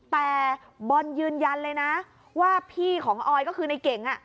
แต่บอลยืนยันเลยนะว่าพี่ของออยก็คือในเก่ง